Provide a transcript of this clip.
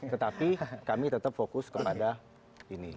tetapi kami tetap fokus kepada ini